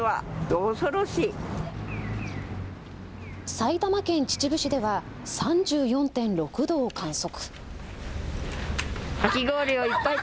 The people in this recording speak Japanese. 埼玉県秩父市では３４．６度を観測。